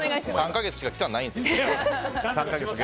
３か月しか期間ないんですよ。